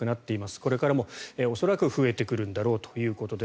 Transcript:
これからも恐らく増えてくるんだろうということです。